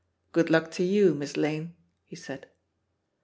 "Good luck to yawj Miss Lane," he said.